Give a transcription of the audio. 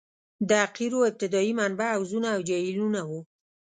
د قیرو ابتدايي منبع حوضونه او جهیلونه وو